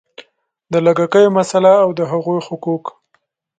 د لږکیو مسله او د هغوی حقوق